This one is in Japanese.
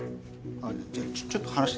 じゃあちょっと話してて。